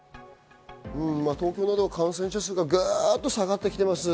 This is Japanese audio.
東京など感染者数がグと下がってきています。